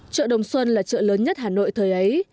chợ đồng xuân là chợ lớn nhất hà nội thời ấy